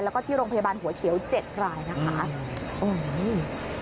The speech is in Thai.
แล้วก็ที่โรงพยาบาลหัวเฉียว๗รายนะคะ